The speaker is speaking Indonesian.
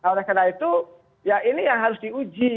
oleh karena itu ya ini yang harus di uji